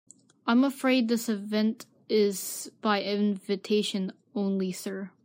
I'm afraid this event is by invitation only, sir.